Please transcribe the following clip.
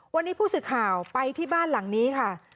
วันนี้ผู้สื่อข่าวไปที่บ้านหลังนี้ค่ะ